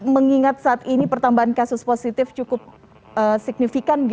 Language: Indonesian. mengingat saat ini pertambahan kasus positif cukup signifikan